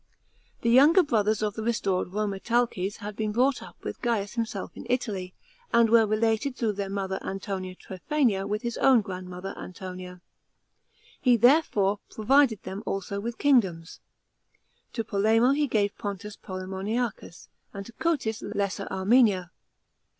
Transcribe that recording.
The younger brothers of the restored Rhoemetalces had been brought up with Gaius himself in Italy, and were related through their mother A'.tonia Tn pliaina with his own grandmother Antonia. He there fore provided them also with kingdoms. To Polemo he gave Pontus Polemoniacns, and to Cotys Lesser Armenia.